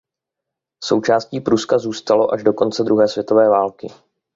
Součástí Pruska zůstalo až do konce druhé světové války.